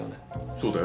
そうだよ。